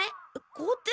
校庭？